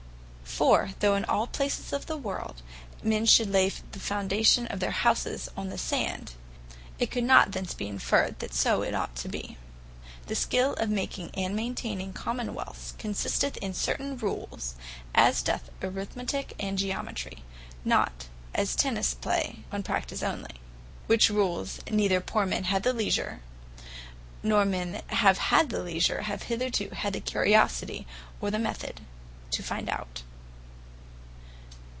For though in all places of the world, men should lay the foundation of their houses on the sand, it could not thence be inferred, that so it ought to be. The skill of making, and maintaining Common wealths, consisteth in certain Rules, as doth Arithmetique and Geometry; not (as Tennis play) on Practise onely: which Rules, neither poor men have the leisure, nor men that have had the leisure, have hitherto had the curiosity, or the method to find out.